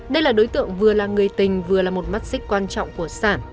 đây là đối tượng vừa là người tình vừa là một mắt xích quan trọng của sản